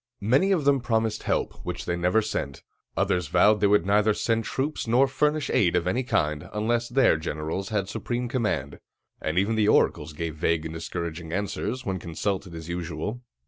Many of them promised help, which they never sent; others vowed they would neither send troops nor furnish aid of any kind, unless their generals had supreme command; and even the oracles gave vague and discouraging answers, when consulted as usual.